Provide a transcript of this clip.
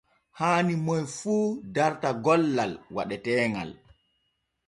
Haani moy fu darta gollal waɗeteeŋal.